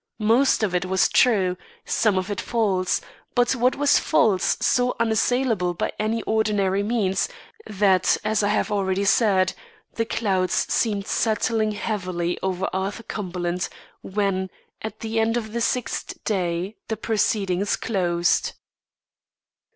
Most of it was true; some of it false; but what was false, so unassailable by any ordinary means, that, as I have already said, the clouds seemed settling heavily over Arthur Cumberland when, at the end of the sixth day, the proceedings closed.